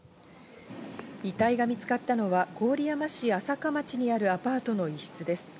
遺体が見つかったのは郡山市安積町にあるアパートの一室です。